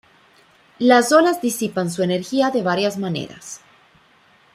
Las olas disipan su energía de varias maneras.